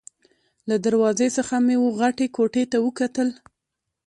له دروازې څخه مې وه غټې کوټې ته وکتل.